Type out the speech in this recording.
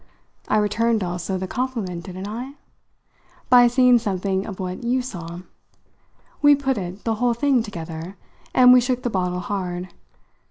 I returned, also, the compliment, didn't I? by seeing something of what you saw. We put it, the whole thing, together, and we shook the bottle hard.